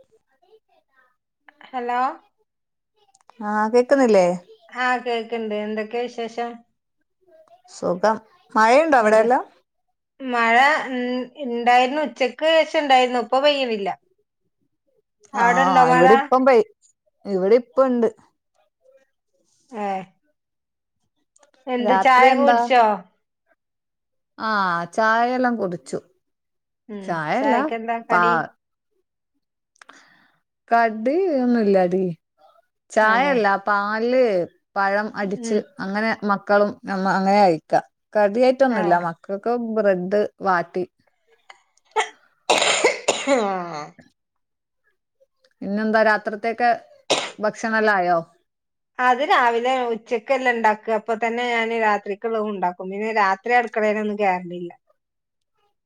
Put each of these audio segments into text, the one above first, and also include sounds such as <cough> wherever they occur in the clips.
<unintelligible> Hello ആഹ് കേക്കുന്നില്ലേ ആഹ് കേൾക്കണ്ട് എന്തൊക്കെയാ വിശേഷം സുഖം മഴയുണ്ടോ എന്ത് അവിടെയല്ല മഴ ഉണ്ടായിരുന്നു ഉച്ചക്ക്ശം ഇണ്ടായിരുന്നു ഇപ്പ പെയ്യുന്നില്ല ആഹ് ഇവിടെ ഇപ്പം പയി ഇവിടെ ഇപ്പ ഇണ്ട് ഏഹ് എന്ത് രാത്രി ചായ കുടിച്ചോ ആ ചായയെല്ലാം കുടിച്ചു ഉം ചായയല്ല ചായക്കെന്താ പാ കടി കഡ് ഒന്നുല്ലടി അതെ ചായയല്ല പാല് പഴം അടിച്ച് ഉം അങ്ങനെ മക്കളും നമ്മ അങ്ങനെ അയക്കാം കഡി യിട്ടൊന്നുമില്ല ആഹ് മക്കൾക്ക് ബ്രെഡ് വാട്ടി ഏഹ് പിന്നെ എന്താ രാത്ത്തേക്ക ഭക്ഷണല്ലായോ അത് രാവിലെ ഉച്ചക്കെല്ലാം ഉണ്ടാക്ക അപ്പൊ തന്നെ ഞാൻ രാത്രിക്കുള്ള ഉണ്ടാക്കും പിന്നെ ഇത്ര അടുക്കേെ ഒന്നുംകേറൽ ഇല്ല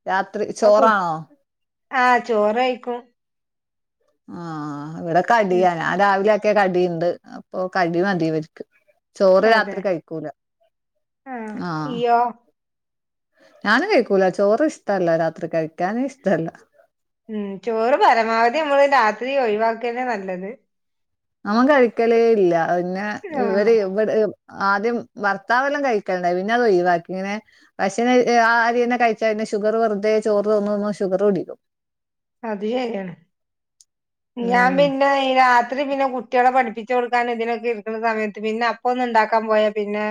രാത്രി ചോറാണോ ആ ചോറയിക്കും ആഹ് ഇവിടെ കടിയ ഉം ഞാൻ രാവിലെക്കെ കടിയുണ്ട് അപ്പൊ കടി മതിവരിക്കും ചോറ് അതെ രാത്രി കഴിക്കൂല ആഹ് ഞൻ കഴിക്കൂല ചോറ് ഇഷ്ടല്ല രാത്രി കഴിക്കാന ഇഷ്ടമല്ല ഉം ചോറ് പരമാവധി നമ്മള് രാത്രി ഒഴിവാക്കന്നെ നല്ലത് നമ്മ കഴിക്കലേ ഇല്ല പിന്നെ ഇവര് ആഹ് ഇവി ആദ്യം ഭർത്താവെല്ലാം കഴിക്കണ്ടായി പിന്നെ അത് ഒഴി വാക്കി ഇങ്ങനെ പക്ഷേ അരി തന്നെ കഴിച്ചന് ഷുഗർ വെറുതെ ചോറ് തോന്നുമ ഷുഗർ പിടിക്കും അത് ശരിയാണ് ഞാൻ ഉം പിന്നെ ഈ രാത്രി പിന്നെ കു ട്ടികളെ പഠിപ്പിച്ചു കൊടുക്കാൻ ഇതിനൊക്കെ ഇക്കുന്ന സമയത്ത് പിന്നെ അപ്പ ഒന്ന ഉണ്ടാക്കാൻ പോയാ പിന്നെ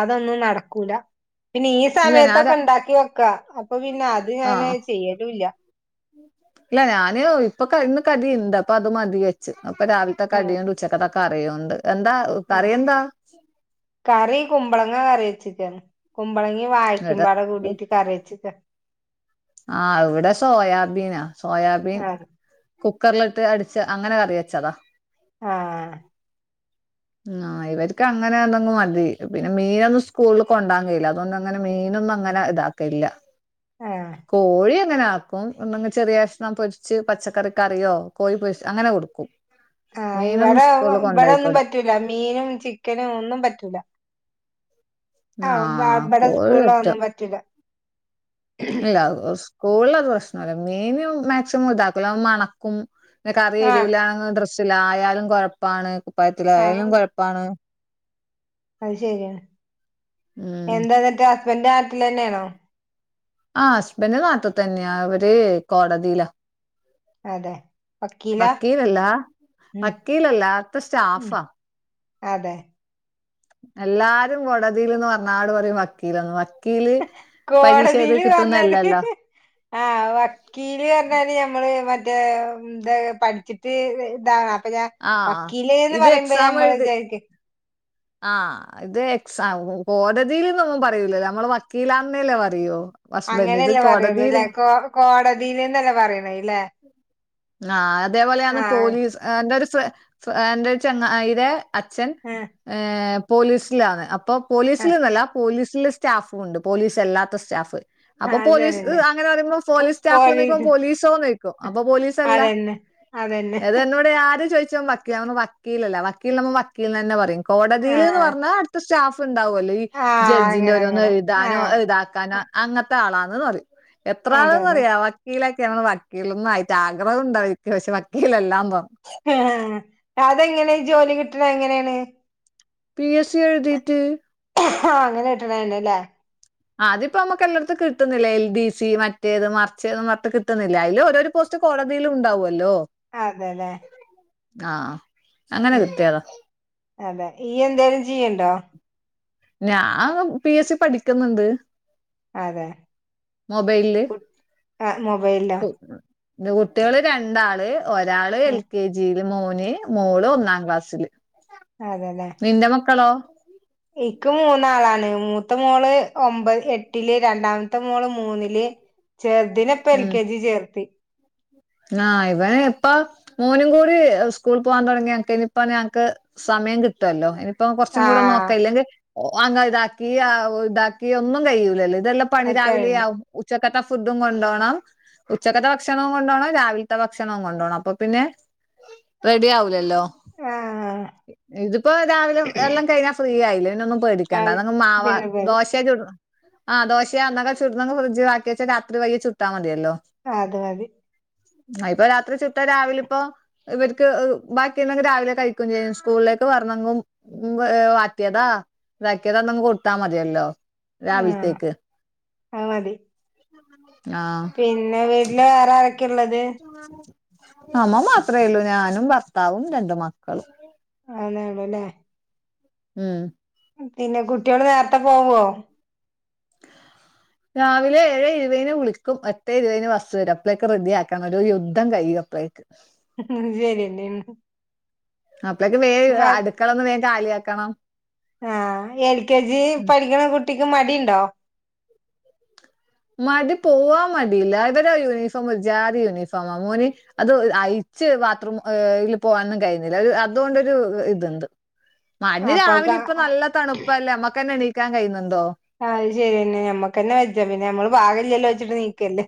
അതൊന്നും നടക്കൂല പിന്നെ ഈ ഇല്ല ഞാൻ സമയത്തൊക്കെ ഉണ്ടാക്കി വെക്കാ അപ്പൊ പിന്നെ അത് ഞാന് ആഹ് ചെയ്യലുല്ല ഇല്ല ഞാനേ ഇപ്പൊ ഇന്ന് കടി ഇണ്ട് അപ്പ അത് മതി വെച്ച് അപ്പൊ രാവിലത്തെക്ക ആഹ് കടിയുണ്ട് ഉച്ചക്കത്തെക്ക് കറിയോണ്ട് എന്താ ആഹ് കറിയ എന്താ കറി കുമ്പളങ്ങ കറി വെച്ചക്ക കുമ്പളങ്ങി വായിക്കുമ്പോട ഇവിടെ കൂടിട്ട് കറി വെച്ചക്ക ആഹ് ഇവിടെ സോയാബീനാ സോയാബീൻ ആഹ് കുക്കറില ഇട്ട് അടിച്ച് അങ്ങനെ കറി വെച്ചതാ ആഹ് ആഹ് ഇവർക്ക് അങ്ങനെ എന്തെങ്കിലും മതി പിന്നെ മീനൊന്നും സ്കൂളിൽ കൊണ്ടാൻ കഴിയില്ല അതുകൊണ്ടണ് ങ്ങനെ മീനൊന്നും അങ്ങനെ ഇതാക്കല്ല കോഴി അങ്ങനെ ആക്കും അപ്പം എന്തെങ്ക ചെറിയഷ്ണം പൊരിച്ച് പച്ചക്കറികറിയോ കോഴിപൊരിച്ച് അങ്ങനെ കൊടുക്കും ആഹ് മീനൊന്നും ഇവിടെ സ്കൂളിൽ ഇവിടെ ഒന്നും കൊണ്ടോയിക്കൂട പറ്റൂല്ല മീനും ചിക്കനും ഒന്നും പറ്റൂല്ല ആഹ് ഇവിടെ കോഴി സ്കൂളിലൊന്നും പറ്റും പറ്റുല്ല ഇല്ല സ്കൂളിലത് പ്രശ്നല്ല മീന് മാക്സിമം ഇതാക്കുല മണക്കും പിന്നെ കറി ആഹ് എരുലാ ഡ്രസ്സിലയാലും കുഴപ്പാണ് കുപ്പായത്തിലായാലും കുഴപ്പാണ് അത്ശരിയാ ഉം എന്താ എന്നിട്ട് ഹസ്ബൻഡ്ന്റെ നാട്ടിൽ തന്നെയാണോ ആഹ് ഹസ്ബൻഡ് നട്ടിതന്നെയാ അവര് കോടതിലാ അതെ വക്കീലാ വക്കീലല്ല ഉം വക്കീലല്ലാത്ത ഉം സ്റ്റാഫാ അതെ എല്ലാരും കോടതിൽന്ന് പറഞ്ഞാട് പറയും വക്കീലെന്ന് ക്കില് പരീക്ഷ ഏഴുതി കോടതിയില് പറഞ്ഞാല് കിട്ടുന്നെല്ലല്ലോ ആഹ് ഓക്കേ വകീല് പറഞ്ഞാല് ഞമ്മള് മറ്റേ എന്താ പഠിച്ചിട്ട് ഇതാ ആ വക്കീലേ എന്ന് ഇത് പറയുമ്പ ഞമ്മള് വിചാരിക്കും ആഹ് ഇത് എക്സാം കോടതിലെന്നൊന്നും പറയൂല നമ്മള് വക്കീലാന്നല്ലേ പറയു അങ്ങനെയല്ലേ പറയുള്ളുല്ലെ കോ കോടതിലന്നല്ല പറയണല്ലേ ആഹ് അതേപോലെയന്ന് പോലീസ് എന്റെ ഒരു എന്റെ ചങ്ങയിടെ അച്ഛൻ ആഹ് എഹ് പോലീസിലാണ് അപ്പൊ ആഹ് പോലീസല്ന്നല്ല പോലീസില് സ്റ്റാ സ്റ്റാഫും ഉണ്ട് പോലീസ് അല്ലാത്തസ്റ്റാഫ് അപ്പൊ അത് പോലീസ് തന്നെ അങ്ങനെ പറയുമ്പോ പോലീസ് സ്റ്റാഫ്ന്നുക്കേമ്പോ പോലീസ് അപ്പൊ പോലീസല്ല അതന്നെ അതന്നെ ഇതെന്നോട് ആര് ചോദിച്ച വക്കിലന്നോ വക്കീലല്ല വക്കിലിന് നമ്മ വക്കീൽ തന്നെ പറയും കോടതിലെന്ന് ആഹ് പറഞ്ഞാ അടുത്ത സ്റ്റാഫ് ഉണ്ടാവുല്ലോ ഈ ആ ജഡ്ജിന്റെ അങ്ങനെ ഒരോന്ന് അങ്ങനെ. ആ. എഴുതാനോ അ ഇതാക്കാനോ അങ്ങനത്തെ ആളാന്ന് പറയും എത്ര അതെ അതെ. ആള്ന്നറിയോ വക്കീലൊക്കേണ്ന്ന് വക്കീൽന്നായിട്ട് ആ ഉണ്ടരിക്ക പക്ഷെ വക്കീലല്ല അതെങ്ങനെ ഈ ജോലി കിട്ടണങ്ങനെയാണ് പി എസ് സി എഴുതിട്ട് ആഹ് അങ്ങനെ കിട്ടണയാണല്ലേ ആഹ് അതിപ്പൊ നമുക് എല്ലടുത് കിട്ടുന്നില്ലേ എൽ ഡി സി മറ്റേത് മറിച്ചെത് കിട്ടുന്നില്ല അതില് ഓരോരു പോസ്റ്റ് കോടതില് ഉണ്ടാവുല്ലോ അതെല്ലെ ആഹ് അങ്ങനെ കിട്ടിയതാ അതെ ഈ എന്തെലും ചെയ്യണ്ടോ ഞാ പി എസ് സി പഠിക്കുന്നുണ്ട് അതെ മൊബൈല് കു ആ മൊബൈലിലോ? ത് കുട്ട്യള് രണ്ടാള് ഒരാള് എൽ ഉം. K G. ല് മോന് മോള് ഒന്നാം ക്ലാസില് അതെല്ലേ. നിന്റെമക്കളോ? ഇക്ക് മൂന്നാളാണ് മൂത്ത മോള് ഒമ്പത് എട്ടില് രണ്ടാമത്തെ മോള് മൂന്നില്. ചേർദിനെ പ്പ എൽ ഉം കെ ജി ചേർത്തി. ആഹ് ഇവന് പ്പ മോനും കൂടി സ്കൂള് പോവാ തൊടങ്ങ്യ ഞക്കയ്ന് പ്പ ഞങ്ങക്ക്. സമയം കിട്ടൊല്ലോ അയ്ന്. പ്പൊ കൊർച്ചും ആ കൂടെ നോക്ക ഇല്ലെങ്കി ഒ അങ്ങഇതാക്കി അഹ് താക്കി ഒന്നും കയ്യൂലല്ലോ ഇതെല്ലം. പണി അത് കഴിഞ്ഞു. രാവിലെയവും ഉച്ചക്കത്ത ഫുഡും കൊണ്ടോണം ഉച്ചക്കത്തെ ഭക്ഷണും കൊണ്ടോണം. രാവിൽത്ത ഭക്ഷണവും കൊണ്ടോണം അപ്പൊ പിന്നെ റെഡി ആവൂലല്ലോ. ആ. ഇതിപ്പ രാവിലെ എല്ലം കയ്ഞ്ഞാ ഫ്രീയായിലേ പിന്നൊന്നും പേടി ക്കണ്ട അത് അതങ്ങ് മാവ പിന്നെ പേര് ദോശ് ശ ചുട് ആഹ് ദോശയ ന്നക്ക ചുട്ന്നങ് ഫ്രഡ്ജാക്ക്യച്ചാ രാത്രി വൈകി ചുട്ടാ മതിയല്ലോ. അത് മതി. അ ഇപ്പൊ രാത്രി ചുട്ടാ രാവിലെപ്പോ. ഇവര്ക്ക് അ് ബാക്കിണ്ടെങ്കി രാവിലെ കഴിക്കും ചെയ്യും സ്കൂൾലേക്ക് വർണങ്കും. മ് വേ വാറ്റ്യതാ താക്ക്യതാ ന്നങ്ങ് കൊട്ത്താ മത്യല്ലോ ആ രാവിൽത്തേക്ക്. അത് മതി. പിന്നെ വീട്ട്ല് വേറാരൊക്കെള്ളത്. അമ്മ മാത്രേള്ളു ഞാനും ഭർത്താവും രണ്ട് മക്കളും. അഎന്നേള്ളൂ ലെ. ഉം. ഉം പിന്നെ കുട്ട്യാള് നേര്ത്തെ പോവോ. രാവിലെ ഏഴേ ഇരുവേന് വിളിക്കും എട്ടേ ഇരുപേന് ബസ്സ് വരും അപ്ലേക്ക് റെഡിയാക്കങ്ങട് ഒരു യുദ്ധം കയ്യും അപ്പഴേ ക്ക്. ശര്യന്നെണ്. അപ്പളേക്ക് വേ അടുക്കളൊന്ന് വേ കാലിയാക്കണം. ആഹ് എൽ കെ ജി പഠിക്കണ കുട്ടിക്ക് മടിണ്ടോ. മടി പോവാ മടിയില്ല ഇവരെ യൂണിഫോം ഒര് ജാതി യൂനിഫോമാ മോന്. അത് ഒ അയിച്ച് ബാത്റൂം ഏഹ് ൽ പോവാനൊന്നും കഴിയ്ന്നില്ല രു അതുകൊണ്ടൊരു ഇത്ണ്ട്. മടി അപ്പൊ അത് രാവിലെ ഇപ്പൊ നല്ല തണുപ്പല്ലേ നമ്മക്കെന്നെ എണീക്കാൻ കഴിയുന്നുണ്ടോ. അഹ് ശെര്യന്നെ ഞമ്മക്കെന്നെ വെജ്ജ പിന്നെ നമ്മള് പാകില്ലല്ലോ വെച്ചിട്ട് നീക്കല്ലേ.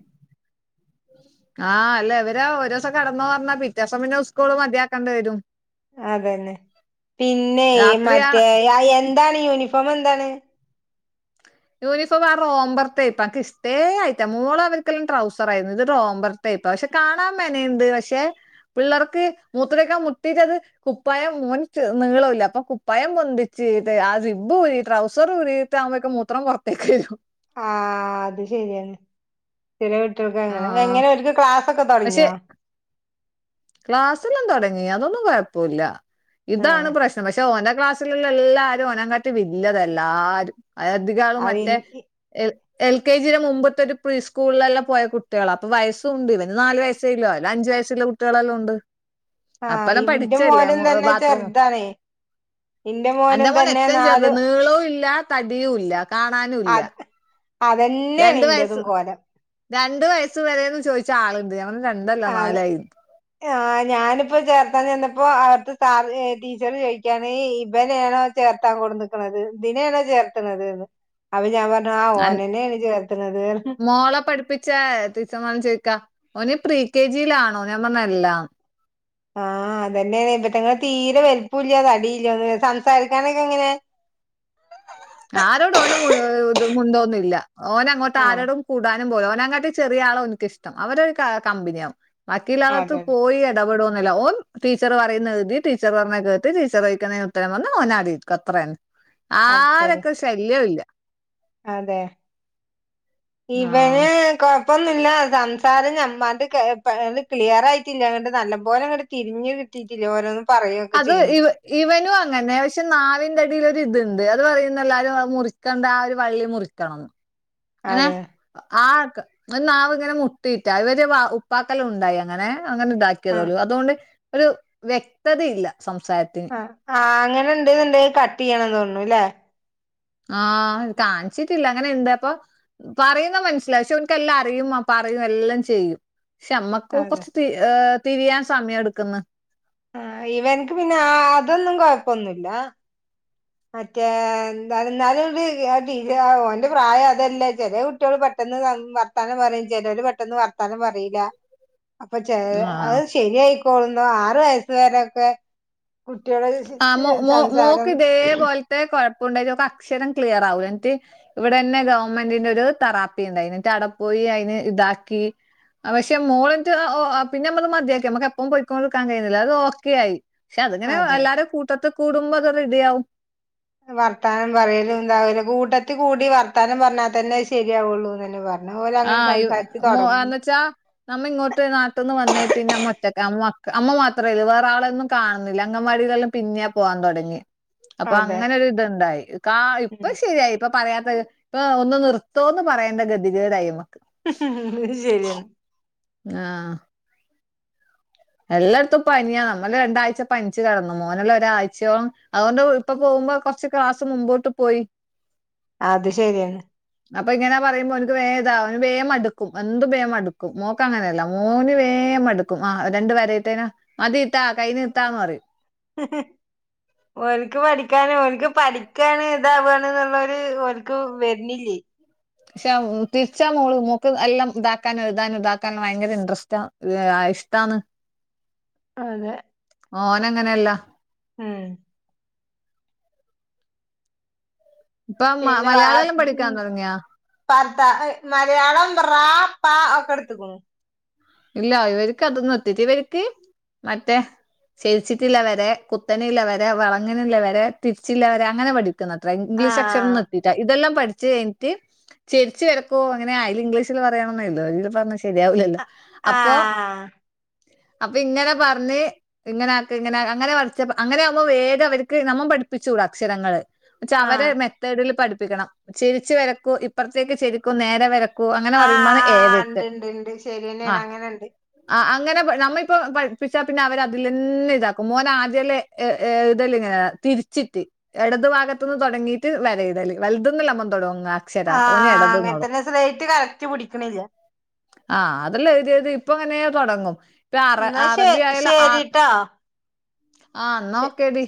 ആഹ് അല്ല ഇവര് ഒരോസം കട്ന്നോ പർഞ്ഞാ പിറ്റോസം പിന്നെ ഉസ്കൂള് മതിയാക്കണ്ടി വരും. അതന്നെ പിന്നെയ് രാത്രിയാ മറ്റേ യ എന്താണ് യൂനിഫോമെന്താണ്. യൂണിഫോമാ റോംബർത്തെ പ്പാക്ക് ഇഷ്ടേ ആയിട്ട്ല്ല മോളവര്ക്കെല്ലാം ട്രൗസർ ആയിരുന്നു ഇത് റോമ്പർ ട്ട് പ്പ പക്ഷെ കാണാ മെനയ്ണ്ട് പക്ഷെ പിള്ളേർക്ക് മൂത്രയ്ക്കാ മുട്ടിറ്റത്. കുപ്പായം മോൻ ചെ നീളുല്ല അപ്പൊ കുപ്പായം പൊന്തിച്ച് ദേ ആ സിബ്ബൂരി ട്രൗസറൂരി. ട്ടാവുമ്പഴേക്ക് മൂത്രം പൊർത്തേക്കരും. ആഹ് അത് ശര്യാണ് ചെറ്യേ കുട്ട്യേൾക്കങ്ങനെ ആഹ് എങ്ങനെ ഓൽക്ക് ക്ലാസൊക്കെ തൊട്ങ്ങ്യോ. ക്ലാസ്ല്ല്ലാം തൊടങ്ങി അതൊന്നും കൊഴപ്പൂല്ല ആഹ് ഇതാണ് പ്രശ്നം പക്ഷെ ഓൻ്റെ ക്ലാസ്. സ്ല്ള്ള എല്ലാരും ഒനകാട്ടി വില്ലത എല്ലാരും അ അധികാളും അത് മറ്റേ എൽ. എൽ കെ ജിടെ മുമ്പത്തൊരു പ്രീ സ്കൂൾലല്ല പോയ കുട്ട്യാളാ അപ്പൊ വയസ്സുണ്ട് ഇവന് നാല് വയസ്സെയുള്ളൂ അവര് അഞ്ചു വയസുള്ള കു ട്ട്യളെല്ലു ഉണ്ട് ആഹ് അപ്പനാ ഇന്റെ പഠിച്ചല്ലേ മോനും മൊ തന്നെ ബാത്റൂമ ചെറുതാണേ ഇന്റെ അന്റെ മോനും മോൻ തന്നെ എറ്റും ചെറ്ത് നാല് നീളു ഇല്ല തടിയുല്ല കാണാനുല്ല. അതന്നെണ് ഇന്റതും കോലം. രണ്ടു വയസ്സ് വരെന്ന് ചോയിച്ചാ ആള്ണ്ട് ഞാ പർഞ്ഞ് ര ആതെ. ആഹ് ഞാന്പ്പ ചേർത്താൻ ചെന്നപ്പോ അവർത്തെ സാറ് ഏ ടീച്ചറ് ചോയിക്ക്യാണ് ഏ ഇബനേണോ. ചേർത്താ കൊട്ന്ന്ക്ക്ണത് തിനെണോ ചേർത്തണത് ന്ന്. അവ ഞാ പർഞ്ഞു ആ ഓനന്നെണ് ചേർത്ത്ണത്. മോള പഠിപ്പി ച്ച ടീച്ചർമാരും ചോയ്ക്കാ ഓന് പ്രീ കെ ജിയിലാണോ ൻ പറഞ്ഞു അല്ലാന്ന്. ആ അതന്നെയെ ഇറ്റങ്ങള് തീരെ വലുപുല്ല തടില്ല സംസാരിക്കാനൊക്കെ എങ്ങനെ ആരോടും ഓന് മുൻ മുണ്ടൊന്നുല്ല ഓനങ്ങോട്ട് ആഹ് ആരോടും കൂടാ നകാട്ടി ചെറിയ ആള ഓനിക്ക്ഷ്ടം അവരെ കമ്പനിയാവും ബാക്കിയുള്ള ആള അതെ അതെ പോയി ഇടപെടുന്നുല്ല ഓൻ ടീച്ചർ പറയുന്ന ഴുതി ടീച്ചർ പറഞ്ഞ കേട്ട് ടീച്ചർഴിക്കുന്നതിനുത്തരം പർഞ് ഓനടിര്ക്കും. ത്രെന്നേ അത്രേ ഉള്ളൂ ആരൊക്കെ ശല്ല്യോല്ല. അതെ ഇവന് ആഹ് കൊ പ്പൊന്നുല്ല സംസാരം ഞത് ക്ലിയർ ആയിട്ടില്ല അങ്ങ് നല്ല പോലെങ്ങോട്ട തിരിഞ്ഞ് ട്ടില്ല ഓരോന്ന് പറയൊക്കെ അത് ചെയ്യുമ്പോ ഇവ ഇവനും അങ്ങനെ പക്ഷെ നാവിന്റെടിൽൊ ഇതുണ്ട് അത് പറയുന്ന എല്ലാരും മുറി ത്തെന്താ ആ ഒരു വള്ളി മുറിക്കണം. അങ്ങനെ അതെ ആ നാവ് ഇങ്ങനെ മുട്ടിയിട്ടാ അത് വരെ ഉപ്പാക്കെല്ലോം ഉണ്ടായോ അങ്ങനെ അങ്ങനെ ആ ഇതാക്കിയതേ ഉള്ളു അതുകൊണ്ട് ഒരു വ്യക്തത ഇല്ല സംസാരത്തിന് ആഹ് അങ്ങനെ ഇണ്ട്ന്ന്ണ്ടേല് കട്ടിയണം തോന്ന്ണുല്ലെ ആഹ് കാണിച്ചിട്ടില്ല അങ്ങനെ ഇണ്ടാപ്പൊ പറയുന്ന മനസ്സിലാവും പക്ഷെ ഓർക്കെല്ലാം അറിയും മാ പറയും എല്ലാം ചെയ്യും. ക്ഷമ്മക്ക് അതെ കുറച്ച് തി തിരിയാൻ സമയം എട്ക്ക്ന്ന് ആഹ് ഇവൻക്ക് പിന്നെ ആ അതൊന്നും കൊഴപ്പൊന്നുല്ല. മറ്റേ എന്താ ഇന്നാലും <unintelligible> ഓന്റെ പ്രായം അതല്ലേ ചെറ്യേ കുട്ട്യോള് പെട്ടെന്ന് പറ വർത്താനം പറയും ചെലോര് പെട്ടെന്ന് വർത്താനം പറയില്ല <inaudible> അപ്പൊ ചെ ആഹ് അത് ശരിയായിക്കോളുന്നു ആറ് വയസ്സ് വരൊക്കെ കുട്ടികളെ <unintelligible> സംസാരം പോൽത്തെ കുഴപ്പമുണ്ടെലും അക്ഷരം ക്ലിയർ ആകൂ എന്നിട്ട് ഇവിടെന്നെ ഗവൺമെന്റിന്റെ ഒരു തറാപ്പി ഉണ്ടായിന് ന്ന്ട്ട് അട പോയി അതിന് ഇതാക്കി പക്ഷെ മോളിൻ്റെ ഓ- ഓ പിന്നെ നമ്മള് മതിയാക്കി നമ്മുക്ക് എപ്പം പൊയിക്കോണ്ട് നിക്കാൻ കയിയുന്നില്ലല്ലോ അത് ഓക്കെ ആയി പക്ഷെ അതിങ്ങനെ അതെ എല്ലാരും കൂട്ടത്ത് കൂടുമ്പോ അത് റെഡിയാകും. വർത്താനം പറയലും ഇണ്ടാവൂല കൂട്ടത്തിൽ കൂടി വർത്താനം പറഞ്ഞാ തന്നെ ശരിയാവുള്ളൂന്ന് തന്നെ പറഞ്ഞു. ആഹ് യു മൊ എന്ന് വച്ചാ നമ്മ ഇങ്ങോട്ട് നാട്ടിന്ന് വന്നേ പിന്നെമ്മ ഒറ്റക്ക അമ്മ മാത്രേള്ളൂ വേറെ ആളൊന്നും കാണുന്നില്ല അങ്കൻവാടീലെല്ലാം പിന്നെ പോവാൻ തുടങ്ങി. അപ്പൊ അതെ അങ്ങനൊ ഒരു ഇത്ണ്ടായി കാ ഇപ്പൊ ഉം ശരിയായി ഇപ്പൊ പറയാത്തത് ഇപ്പൊ ഒന്ന് നിർത്തോന്ന് പറയേണ്ട ഗതികേടായി നമ്മക്ക് ശരിയന്നെ ആഹ് എല്ലാട്ത്തും പനിയാ നമ്മള് രണ്ടാഴ്ച്ച പനിച്ച് കെടന്നു മോനല്ലാം ഒരാഴ്ച്ചയോളം അതുകൊണ്ട് വീ ഇപ്പൊ പോവുമ്പോ കൊർച്ച് ക്ലാസ് മുമ്പോട്ട് പോയി. അത് ശരിയാണ്. അപ്പൊ ഇങ്ങനെ പറയുമ്പോ ഓൻക്ക് വേം ഇതാവും വേം മടുക്കും എന്തും വേമടുക്കും. ഓ ക്ക അങ്ങനല്ല മോന് വേം മടുക്കും ആഹ് രണ്ടു വര ഇട്ടേന് മതി ഇത്താ കയിഞ്ഞ് ഇത്താന്ന് പറയും. <inaudible> ഓൻക്ക് പഠിക്കാന് ഓൻക്ക് പഠിക്കാന് ഇതാവാണ് ന്ന്ളെളാരു അവർക്ക് വര്ണില്ലേ പക്ഷെ തിരിച്ചാ മോള് മോക്ക് എല്ലാം ഇതാക്കാനും എഴുതാനും ഇതാക്കാനും ഭയങ്കര ഇൻട്രസ്‌റ്റാ അതിഷ്ട്ടാണ്. അതെ ഓനങ്ങനെല്ല ഉം ഇപ്പൊ മ പിന്നെ വ മലയാളെല്ലാം പഠിക്കാൻ <unintelligible> തുടങ്ങിയാ പർത്ത മലയാളം റാ പാ ഒക്കെ എടുത്തക്കണു ഇല്ല ഇവർക്ക് അതൊന്നും എത്തിറ്റില്ല ഇവർക്ക് മറ്റെ ചെരിച്ചിട്ട്ള്ള വരെ കുത്തനള്ള വര വളങ്ങനള്ള വര തിരിച്ചില്ല വര അങ്ങനെ പഠിക്ക അത്ര ഇംഗ്ലീഷ് ആഹ് അക്ഷരം എത്തീറ്റ ഇതെല്ലാം പഠിച്ച് കഴിഞ്ഞിട്ട് ചരിച്ച് വരക്കോ അങ്ങനെ അയിന് ഇംഗ്ലീഷിൽ പറയണന്നെയ്തോ ഇത് പറഞ്ഞ ശരിയാവിലല്ലോ അപ്പൊ ആഹ് അപ്പൊ ഇങ്ങനെ പറഞ്ഞ് ഇങ്ങനെ ആക്ക് ഇങ്ങനെ അങ്ങനെ പഠിച്ചപ്പോ അങ്ങനെ ആവുമ്പം വേഗം ഇവേര്ക്ക് നമ്മം പഠിപ്പിച്ചൂടാ അക്ഷരങ്ങള്. വച്ചാ അവരെ ആഹ് മെത്തേഡില് പഠിപ്പിക്കണം ചെരിച്ച് വരക്കൂ ഇപ്പറത്തേക്ക് ചെരിക്കൂ നേരെ വര ക്കൂ അങ്ങനെ പറിബാണ് ഏ വിത്ത് ശെര്യന്നേണ് അങ്ങനെണ്ട്. അഹ് അങ്ങനെ നമ്മളിപ്പ പഠിപ്പിച്ചാ പിന്നെ അവര് അതിലിന്നെ ഇതാക്കും മോനാദ്യേലെ എ ഏ ഇതല്ലെങ്ങനാ തിരിച്ചിട്ട്. എടതു ഭാഗത്ത്ന്ന് തൊടങ്ങീട്ട് വരയിടല് വലത് ന്നല്ലെ മ്മം തൊടങ്ങാ. ആഹ് അങ്ങനെത്തന്നെ സ്ലേറ്റ് കറക്റ്റ് പിടിക്ക്‌ണില്ല ആഹ് അതലെഴുതിയത് ഇപ്പ ഇങ്ങനെ തുടങ്ങും ഇപ്പ അറ ന്നാ ശെ അറബി ആയാല് ആഹ് ശരിട്ടോ ആഹ് ശ അന്ന ഓക്കെടി